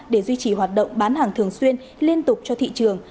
để duy trì hoạt động bán hàng thường xuyên liên tục cho thị trường